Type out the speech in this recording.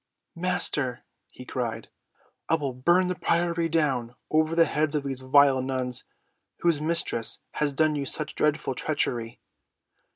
"Master," he cried, "I will burn the priory down over the heads of these vile nuns whose mistress has done you such dreadful treachery."